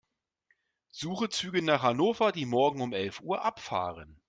Suche Züge nach Hannover, die morgen um elf Uhr abfahren.